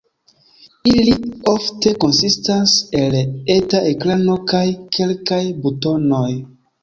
Ili ofte konsistas el eta ekrano kaj kelkaj butonoj.